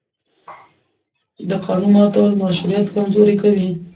د قانون ماتول مشروعیت کمزوری کوي